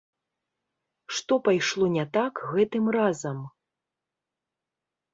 Што пайшло не так гэтым разам?